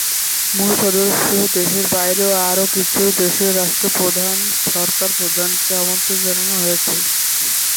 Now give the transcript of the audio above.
মূল সদস্য দেশের বাইরেও আরো কিছু দেশের রাষ্ট্র প্রধান /সরকার প্রধানকে আমন্ত্রণ জানানো হয়েছে।